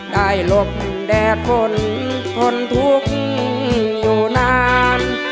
หลบแดดคนทนทุกข์อยู่นาน